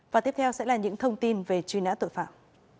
và tiếp theo sẽ là những thông tin về truy nã tội phạm